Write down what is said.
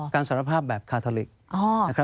การสารภาพแบบคาทาลิก